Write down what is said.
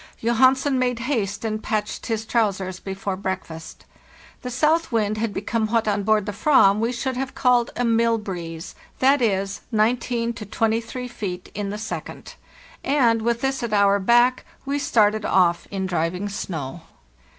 Johansen made haste and patched his trousers before breakfast. The south wind had become what on board the /vam we should have called a 'mill breeze' (z.2., 19 to 23 feet in the second); and, with this at our back, we started off in driving snow.